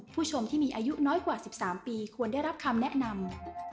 ผู้ชมที่มีอายุน้อยกว่า๑๓ปีควรได้รับคำแนะนำ